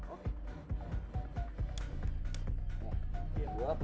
tapi kalau lo